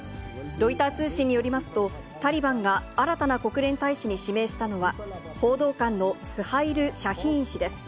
ロイター通信によりますと、タリバンが新たな国連大使に指名したのは、報道官のスハイル・シャヒーン氏です。